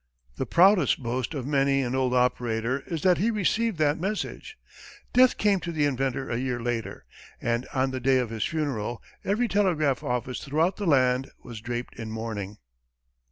The proudest boast of many an old operator is that he received that message. Death came to the inventor a year later, and on the day of his funeral, every telegraph office throughout the land was draped in mourning.